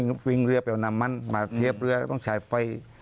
ก็วิ่งเรือไปเอาน้ำมันมาเทียบเรือก็ต้องใช้ไฟ